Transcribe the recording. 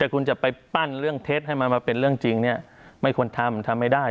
แต่คุณจะไปปั้นเรื่องเท็จให้มันมาเป็นเรื่องจริงเนี่ยไม่ควรทำทำไม่ได้